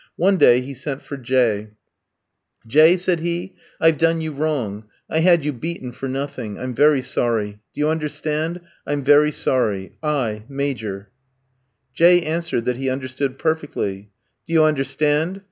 One day he sent for J ski. "J ski," said he, "I've done you wrong; I had you beaten for nothing. I'm very sorry. Do you understand? I'm very sorry. I, Major " J ski answered that he understood perfectly. "Do you understand?